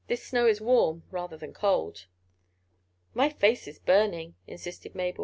"This snow is warm rather than cold." "My face is burning," insisted Mabel.